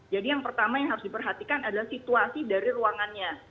jadi yang pertama yang harus diperhatikan adalah situasi dari ruangannya